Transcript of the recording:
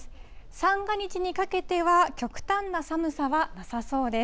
三が日にかけては、極端な寒さはなさそうです。